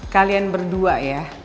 kalian berdua ya